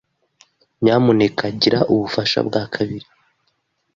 Nyamuneka gira ubufasha bwa kabiri.